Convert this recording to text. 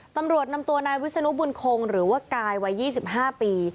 ตำรวจนำตัวนายวิศนุบุญคงหรือว่ากายวัย๒๕ปี